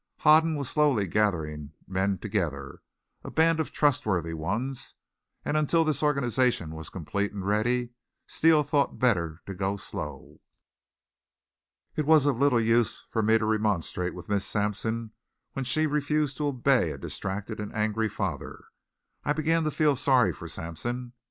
Hoden was slowly gathering men together, a band of trustworthy ones, and until this organization was complete and ready, Steele thought better to go slow. It was of little use for me to remonstrate with Miss Sampson when she refused to obey a distracted and angry father. I began to feel sorry for Sampson.